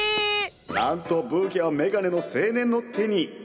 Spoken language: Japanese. なんとブーケは眼鏡の青年の手に！